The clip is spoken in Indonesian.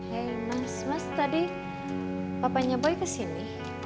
ya mas mas tadi papanya boy kesini